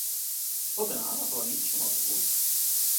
Es pot anar a Felanitx amb autobús?